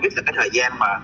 khoảng thời gian hai năm covid